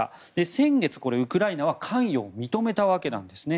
先月、ウクライナは関与を認めたわけなんです。